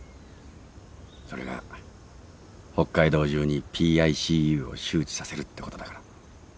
それが北海道中にＰＩＣＵを周知させるってことだから。